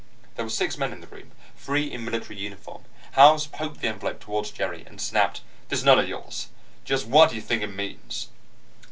There were six men in the room, three in military uniform. Howells poked the envelope towards Jerry, and snapped: "This note of yours. Just what do you think it means?"